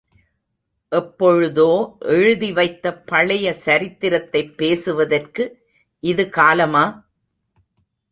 எப்பொழுதோ எழுதி வைத்த பழைய சரித்திரத்தைப் பேசுவதற்கு இது காலமா?